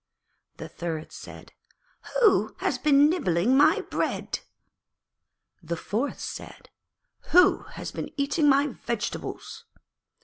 The third said, 'Who has been nibbling my bread?' The fourth said, 'Who has been eating my vegetables?'